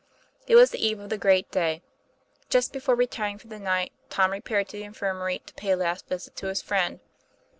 It was the eve of the great day. Just before retiring for the night Tom repaired to the infirmary to pay a last visit to his friend.